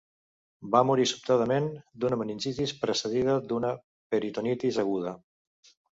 Va morir sobtadament d'una meningitis, precedida d'una peritonitis aguda.